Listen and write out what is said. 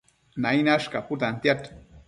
Nainash caputantiad